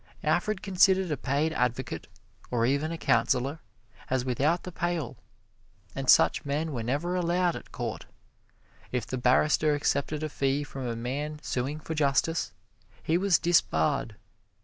Alfred considered a paid advocate, or even a counselor, as without the pale, and such men were never allowed at court. If the barrister accepted a fee from a man suing for justice, he was disbarred.